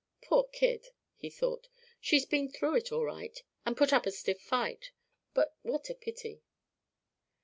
"Poor kid," he thought. "She's been through it, all right, and put up a stiff fight. But what a pity."